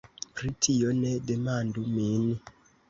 pri tio ne demandu min!